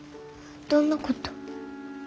どんなこと？